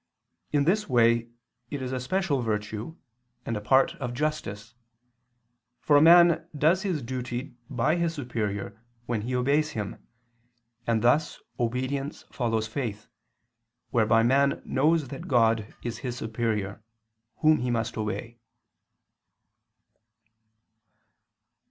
In this way it is a special virtue, and a part of justice: for a man does his duty by his superior when he obeys him: and thus obedience follows faith, whereby man knows that God is his superior, Whom he must obey.